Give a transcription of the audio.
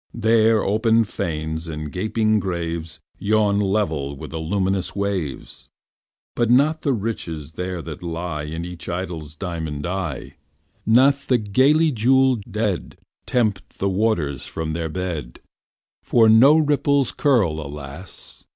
There open fanes and gaping graves Yawn level with the luminous waves, But not the riches there that lie Within each idol's diamond eye, Not the gaily jeweled dead Tempt the waters from their bed, For no ripples curl, alas!